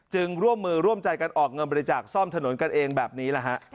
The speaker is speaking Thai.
จึงร่วมมือร่วมใจกันออกเงินไปจากซ่อมถนนกันเองแบบนี้